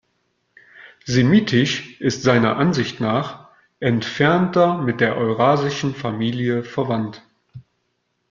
Semitisch ist seiner Ansicht nach entfernter mit der „eurasischen“ Familie verwandt.